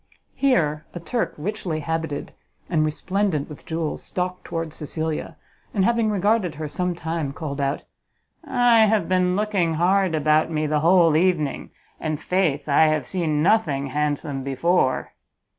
Here a Turk, richly habited and resplendent with jewels, stalked towards Cecilia, and, having regarded her some time, called out, "I have been looking hard about me the whole evening, and, faith, I have seen nothing handsome before!"